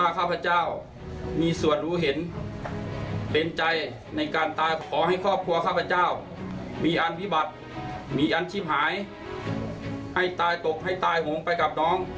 ขอให้ในอนชิบหายให้ตายตกให้ตายหงค์ไปกับน้อง